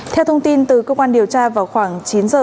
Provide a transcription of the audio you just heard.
theo thông tin từ cơ quan điều tra vào khoảng chín giờ